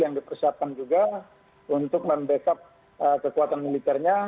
yang dipersiapkan juga untuk membackup kekuatan militernya